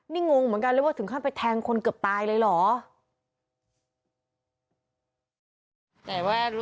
นี่งงเหมือนกันเลยว่าถึงขั้นไปแทงคนเกือบตายเลยเหรอ